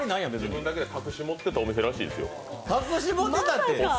自分だけで隠し持っていたお店らしいですよ。